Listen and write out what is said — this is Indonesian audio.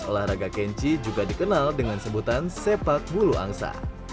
olahraga kenchi juga dikenal dengan sebutan sepak bulu angsa